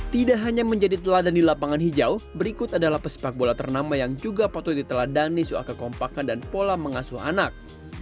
tidak hanya menjadi teladan di lapangan hijau berikut adalah pesepak bola ternama yang juga patut diteladani soal kekompakan dan pola mengasuh anak